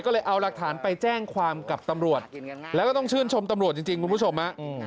ก็เลยเอาหลักฐานไปแจ้งความกับตำรวจแล้วก็ต้องชื่นชมตำรวจจริงคุณผู้ชมฮะ